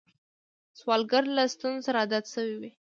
سوالګر له ستونزو سره عادت شوی وي